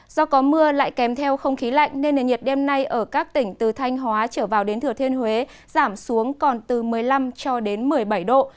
do có mưa lại kèm theo không khí lạnh nên nền nhiệt đêm nay ở các tỉnh từ thanh hóa trở vào đến thừa thiên huế giảm xuống còn từ một mươi năm cho đến một mươi bảy độ